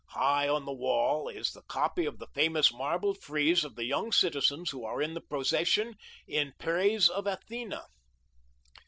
High on the wall is the copy of the famous marble frieze of the young citizens who are in the procession in praise of Athena.